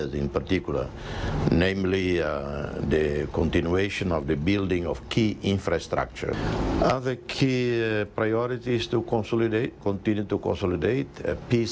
ศัตรูต้องเผชิญความท้ายหลักภาพกับธรรมชีวิตสู่ส่วนประเทศ